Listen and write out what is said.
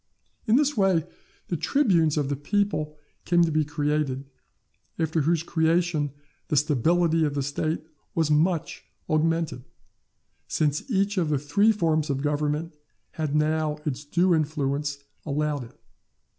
In this way the tribunes of the people came to be created, after whose creation the stability of the State was much augmented, since each the three forms of government had now its due influence allowed it.